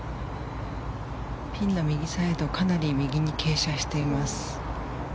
ピンの右サイドかなり右に傾斜しています。